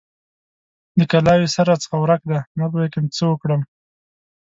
د کلاوې سر راڅخه ورک دی؛ نه پوهېږم چې څه وکړم؟!